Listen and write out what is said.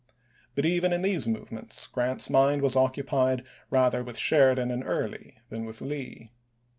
But even in those move ments, Grant's mind was occupied rather with Sheridan and Early than with Lee.